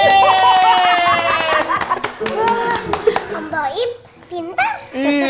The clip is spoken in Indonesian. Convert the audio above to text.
iya terima kasih